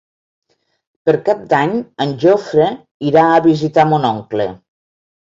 Per Cap d'Any en Jofre irà a visitar mon oncle.